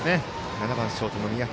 ７番、ショートの宮平